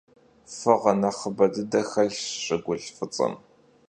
Fığe nexhıbe dıde xelhş ş'ıgulh f'ıts'em.